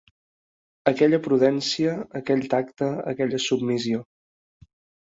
Aquella prudència, aquell tacte, aquella submissió